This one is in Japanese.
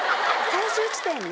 最終地点？